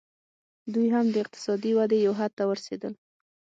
دوی هم د اقتصادي ودې یو حد ته ورسېدل